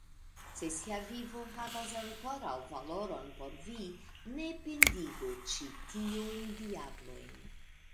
Se via vivo havas ankoraŭ valoron por vi, ne pendigu ĉi tiujn diablojn!